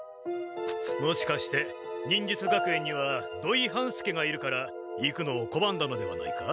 もしかして忍術学園には土井半助がいるから行くのをこばんだのではないか？